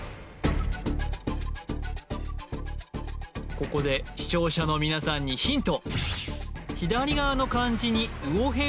ここで視聴者の皆さんにヒント